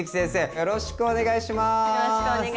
よろしくお願いします！